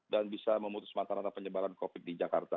dan bisa memutus matang rata penyebaran covid sembilan belas di jakarta